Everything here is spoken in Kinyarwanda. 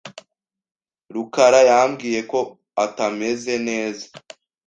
rukara yambwiye ko atameze neza .